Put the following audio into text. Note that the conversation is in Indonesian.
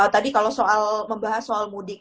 tadi kalau soal membahas soal mudik